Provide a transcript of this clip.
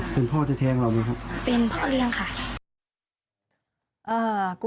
เป็นพ่อเทียงหรือเปล่าครับ